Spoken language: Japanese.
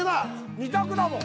２択だもん